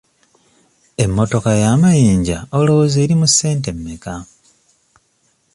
Emmotoka y'amayinja olowooza eri mu ssente mmeka?